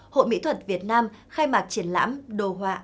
hội mỹ thuật việt nam khai mạc triển lãm đồ họa